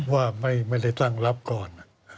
ว่าไม่ได้ตั้งรับก่อน